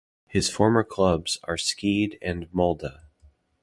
His former clubs are Skeid and Molde.